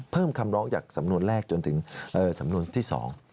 คำร้องจากสำนวนแรกจนถึงสำนวนที่๒